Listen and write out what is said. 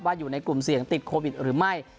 อยู่ในกลุ่มเสี่ยงติดโควิดหรือไม่